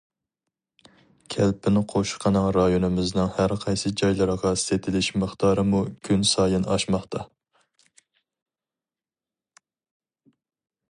كەلپىن قوشۇقىنىڭ رايونىمىزنىڭ ھەرقايسى جايلىرىغا سېتىلىش مىقدارىمۇ كۈنسايىن ئاشماقتا.